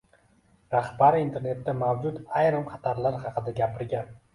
Rahbari internetda mavjud ayrim xatarlar haqida gapirgan.